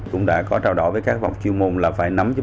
cũng đã có trao đổi với các học triệu môn là phải nắm chung